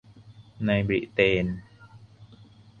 ในบริเตน